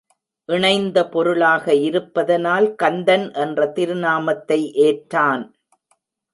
இணைந்த பொருளாக இருப்பதனால் கந்தன் என்ற திருநாமத்தை ஏற்றான்.